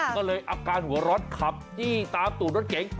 ก็เลยอาการหัวร้อนขับจี้ตามตูดรถเก๋ง